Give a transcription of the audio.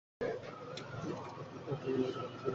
তবে কতটা গুরুতর, সেটা বুঝতে আরও দু-এক দিন অপেক্ষা করতে হবে।